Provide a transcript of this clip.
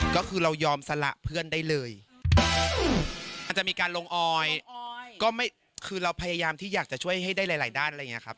ก็คือเรายอมสละเพื่อนได้เลยอาจจะมีการลงออยก็คือเราพยายามที่อยากจะช่วยให้ได้หลายด้านอะไรอย่างนี้ครับ